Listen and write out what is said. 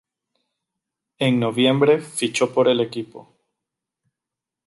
En noviembre fichó por el equipo.